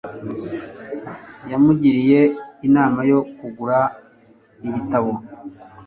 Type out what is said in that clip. Yamugiriye inama yo kugura igitabo.